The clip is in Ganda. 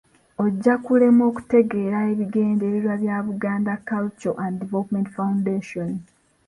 Ojja kulemwa okutegeera ebigendererwa bya Buganda Cultural And Development Foundation.